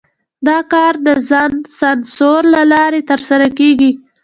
دا کار د ځان سانسور له لارې ترسره کېږي.